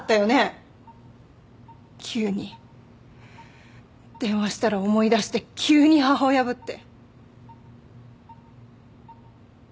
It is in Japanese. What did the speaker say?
急に電話したら思い出して急に母親ぶって。